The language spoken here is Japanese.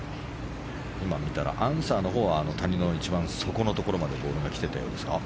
今、見たらアンサーのほうは谷の一番底のところまでボールが来ていたようですが。